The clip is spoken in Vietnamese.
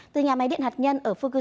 từ nhà máy điện hạt nhân ở phuket